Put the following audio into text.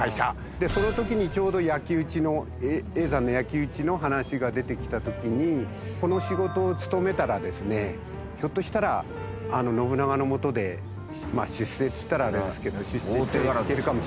でその時にちょうど焼き討ちの叡山の焼き討ちの話が出てきた時にこの仕事を務めたらですねひょっとしたら信長のもとでまあ出世って言ったらあれですけど。